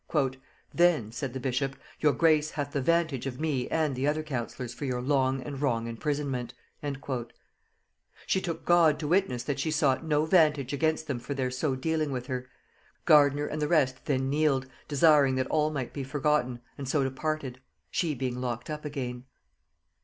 "Then," said the bishop, "your grace hath the 'vantage of me and the other councillors for your long and wrong imprisonment." She took God to witness that she sought no 'vantage against them for their so dealing with her. Gardiner and the rest then kneeled, desiring that all might be forgotten, and so departed; she being locked up again.